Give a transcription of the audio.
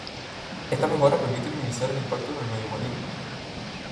Esta mejora permite minimizar el impacto en el medio marino.